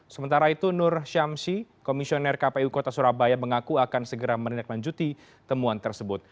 sementara itu nur syamsi komisioner kpu kota surabaya mengaku akan segera menindaklanjuti temuan tersebut